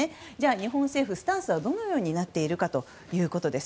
日本政府、スタンスはどのようになっているのかということです。